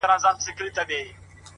• په هر پوځ کي برتۍ سوي یو پلټن یو -